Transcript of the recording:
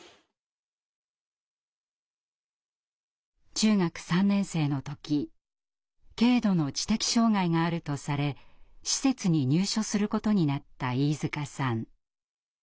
中学３年生の時軽度の知的障害があるとされ施設に入所することになった飯塚さん。